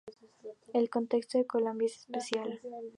El contexto de Colombia es especial.